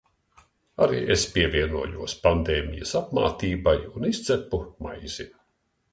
Arī es pievienojos pandēmijas apmātībai un izcepu maizi.